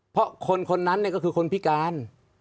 เพราะคนคนนั้นก็คือคนพิการ